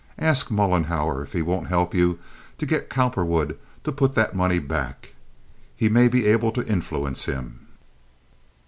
Ask Mollenhauer if he won't help you to get Cowperwood to put that money back. He may be able to influence him."